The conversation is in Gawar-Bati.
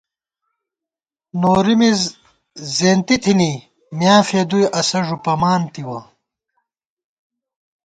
نورِی مِز زېنتی تھِنی میاں فېدُوئی اسہ ݫُپَمان تِوَہ